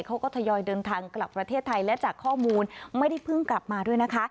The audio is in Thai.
ทยอยเดินทางกลับประเทศไทยและจากข้อมูลไม่ได้เพิ่งกลับมาด้วยนะคะ